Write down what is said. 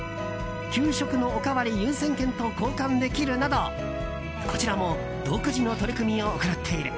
給食のおかわり優先権と交換できるなどこちらも独自の取り組みを行っている。